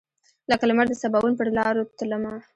لکه لمر دسباوون پر لاروتلمه